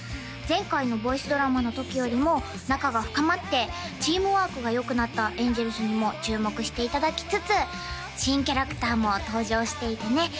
前回のボイスドラマのときよりも仲が深まってチームワークがよくなったエンジェルスにも注目していただきつつ新キャラクターも登場していてね